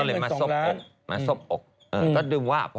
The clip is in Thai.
เอสได้เงิน๒ล้าน